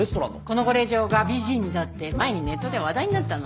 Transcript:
このご令嬢が美人だって前にネットで話題になったの。